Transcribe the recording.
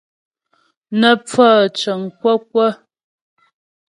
Nə́ pfaə̂ cəŋ kwə́kwə́.